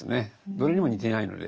どれにも似ていないので。